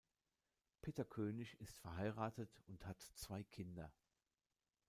Peter König ist verheiratet und hat zwei Kinder.